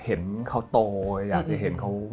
เห็นเขาโตอยากจะเห็นเขา